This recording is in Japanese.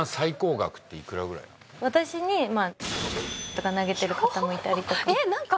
私に。とか投げてる方もいたりとか。